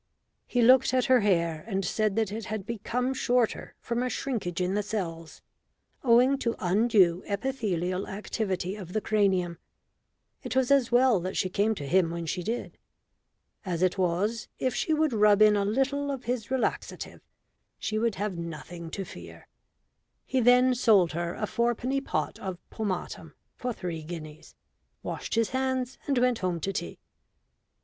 He looked at her hair and said that it had become shorter from a shrinkage in the cells, owing to undue epithelial activity of the cranium. It was as well that she came to him when she did. As it was, if she would rub in a little of his relaxative she would have nothing to fear. He then sold her a fourpenny pot of pomatum for three guineas, washed his hands, and went home to tea.